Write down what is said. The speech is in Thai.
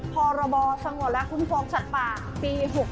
พรสคุณฟองสัตว์ป่าปี๖๒นะคะ